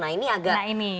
nah ini agak ini